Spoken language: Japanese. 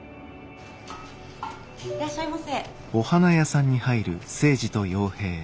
いらっしゃいませ。